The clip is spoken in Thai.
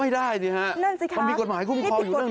ไม่ได้สิครับมันมีกฎหมายคุ้มข้องอยู่ตรงนี้